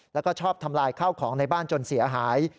แล้วก็ชอบทำลายข้าวของในบ้านจนเสียหาย